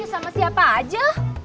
ya sama siapa aja